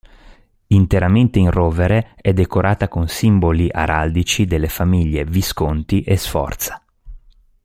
Interamente in rovere è decorata con i simboli araldici delle famiglie Visconti e Sforza.